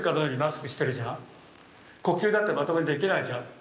呼吸だってまともにできないじゃん。